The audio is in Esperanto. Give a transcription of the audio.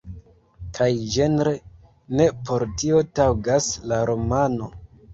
Kaj ĝenre ne por tio taŭgas la romano.